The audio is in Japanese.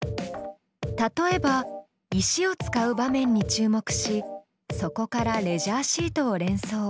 例えば石を使う場面に注目しそこからレジャーシートを連想。